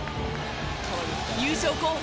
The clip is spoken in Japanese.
優勝候補